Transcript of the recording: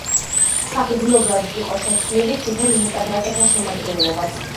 საგრძნობლად იყო შეცვლილი თვითონ მოჭადრაკეთა შემადგენლობაც.